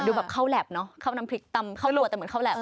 ดูแบบเข้าแลปเนอะเข้าน้ำพริกเต็มพูดแต่เหมือนเข้าแลป